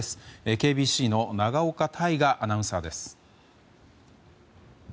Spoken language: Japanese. ＫＢＣの長岡大雅アナウンサーです。